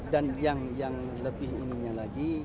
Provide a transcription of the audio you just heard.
dan yang lebih ininya lagi